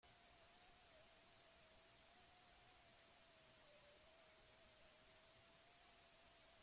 Ezagutu dituzun leku guztietatik zein da zure gustukoena?